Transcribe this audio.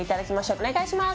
お願いします。